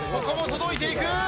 ここも届いていく。